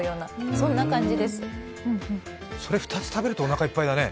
それ２つ食べるとおなかいっぱいだね。